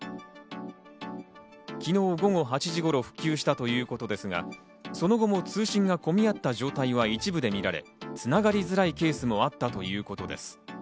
昨日午後８時頃、復旧したということですが、その後も通信が混み合った状態は一部でみられ、つながりづらいケースもあったということです。